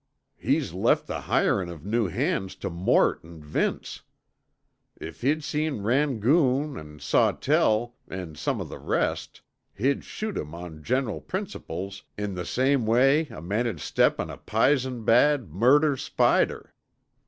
He's left the hirin' of new hands tuh Mort an' Vince. If he'd seen Rangoon, an' Sawtell, an' some o' the rest, he'd shoot 'em on general principles in the same way a man'd step on a pizon bad, murder spider.